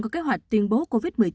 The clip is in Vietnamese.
có kế hoạch tuyên bố covid một mươi chín